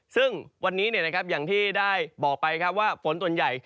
ซึ่งวันนี้อย่างที่ได้บอกไปครับว่าฝนส่วนใหญ่